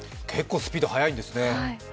結構スピード速いんですね。